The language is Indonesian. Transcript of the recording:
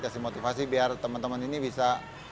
kasih motivasi biar temen temen ini bisa